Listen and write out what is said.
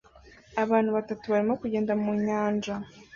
Abantu batatu barimo kugenda ku nyanja